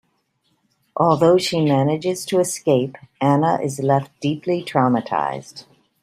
Although she manages to escape, Anna is left deeply traumatized.